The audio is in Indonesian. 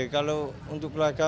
kalau untuk keluarga